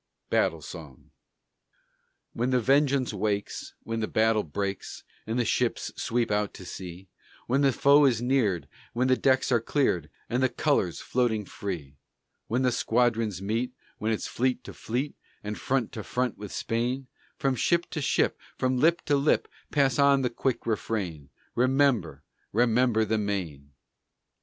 BATTLE SONG When the vengeance wakes, when the battle breaks, And the ships sweep out to sea; When the foe is neared, when the decks are cleared, And the colors floating free; When the squadrons meet, when it's fleet to fleet And front to front with Spain, From ship to ship, from lip to lip, Pass on the quick refrain, "Remember, remember the Maine!"